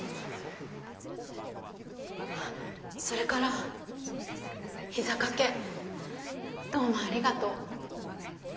それから膝掛けどうもありがとう。